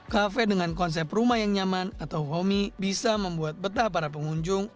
kafe dengan konsep rumah yang nyaman atau homi bisa membuat betah para pengunjung